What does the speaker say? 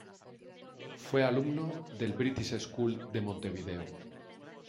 Fue alumno del British School de Montevideo.